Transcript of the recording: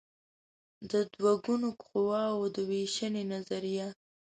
د دوه ګونو قواوو د وېشنې نظریه